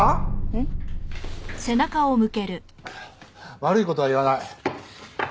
悪い事は言わない。